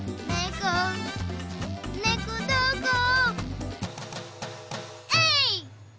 こねこどこえい！